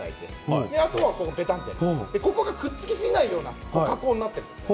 ここに載せてくっつきすぎないような加工になっているんです。